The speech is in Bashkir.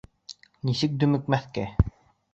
Нисек дөмөкмәҫкә?